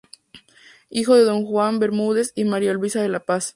Hijo de don Juan Bermúdez y María Luisa De La Paz.